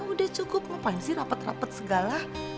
udah cukup ngapain sih rapet rapet segala